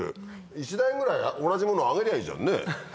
１台ぐらい同じものあげりゃいいじゃんね。